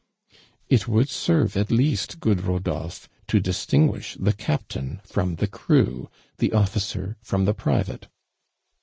" It wouUl serve at least, good Hodoli)he, to distinguish the captain from the crew, the otticer from the private